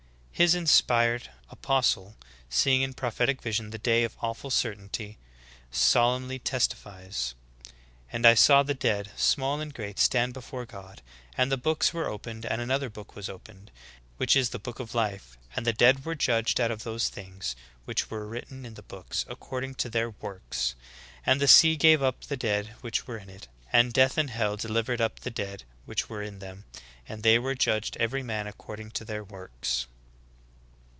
''* His inspired apostle, seeing in prophetic vision the day of awful certainty, solemnly testifies, "And I saw the dead, small and great stand before God; and the books were op ened, and another book was opened, which is the book of life, and the dead Vv^ere judged out of those things which were written in the books, according to their zvorks. And the sea gave up the dead which were in it; and death and hell delivered up the dead which were in them; and they were judged every man according to their works."